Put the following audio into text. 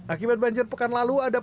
akibat banjir pekan lalu